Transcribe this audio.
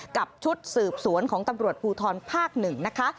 กับชุดสืบสวนของตำรวจภูทรภาค๑นะคะ